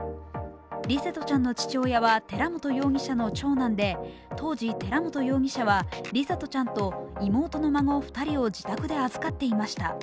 琉聖翔ちゃんの父親は寺本容疑者の長男で当時、寺本容疑者は琉聖翔ちゃんと妹の孫２人を自宅で預かっていました。